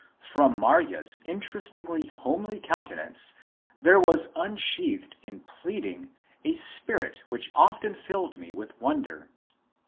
From Marye's interestingly homely countenance there was unsheathed in pleading a spirit which often filled me with wonder.